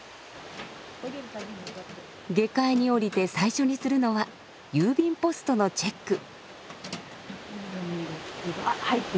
下界におりて最初にするのは郵便ポストのチェック。